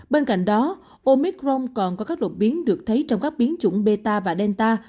bên cạnh đó omicron còn có các đột biến được thấy trong các biến chủng beta và delta